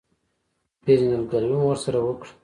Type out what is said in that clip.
پېژندګلوي مو ورسره وکړه.